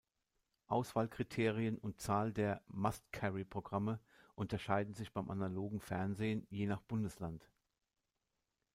Auswahlkriterien und Zahl der „Must-Carry-Programme“ unterscheiden sich beim analogen Fernsehen je nach Bundesland.